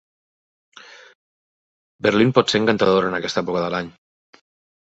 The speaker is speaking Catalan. Berlín pot ser encantadora en aquesta època de l'any.